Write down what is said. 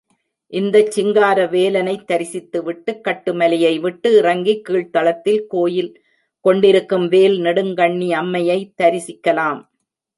இந்தச் சிங்காரவேலவனைத் தரிசித்துவிட்டுக்கட்டு மலையைவிட்டு இறங்கிக் கீழ்தளத்தில் கோயில் கொண்டிருக்கும் வேல் நெடுங்கண்ணி அம்மையைத் தரிசிக்கலாம்.